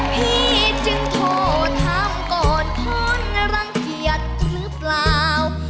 พี่จึงโทรถามก่อนท้อนรังเกียจหรือเปล่า